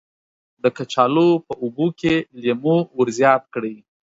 د کچالو په اوبو کې لیمو ور زیات کړئ.